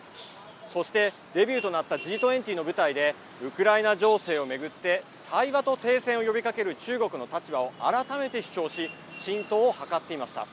そしてデビューとなったＧ２０の舞台でウクライナ情勢を巡って対話と停戦を呼びかける中国の立場を改めて主張し浸透を図っていました。